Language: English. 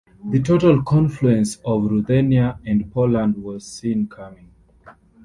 The total confluence of Ruthenia and Poland was seen coming.